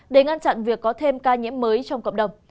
để ngăn chặn việc có thêm ca nhiễm mới trong cộng đồng